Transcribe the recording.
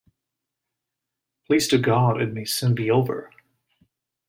Please to God it may soon be over.